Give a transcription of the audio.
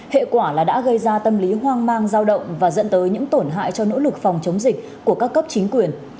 hệ quả là đã gây ra tâm lý hoang mang giao động và dẫn tới những tổn hại cho nỗ lực phòng chống dịch của các cấp chính quyền